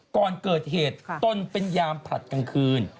ก่อนเกิดเหตุตนเป็นยามผลัดกลางคืน